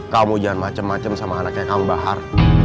kamu jangan macem macem sama anaknya kambahar